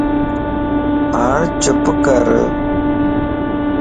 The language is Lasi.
ھاڻ چپ ڪر